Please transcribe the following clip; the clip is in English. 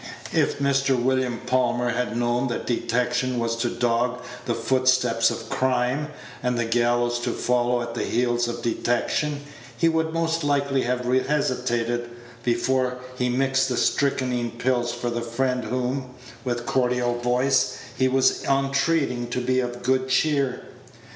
If Mr. William Palmer had known that detection was to dog the footsteps of crime, and the gallows to follow at the heels of detection, he would most likely have hesitated long before he mixed the strychnine pills for the friend whom, with cordial voice, he was entreating to be of good cheer.